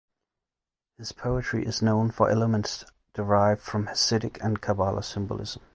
His poetry is known for elements derived form Hasidic and Kabbalah symbolism.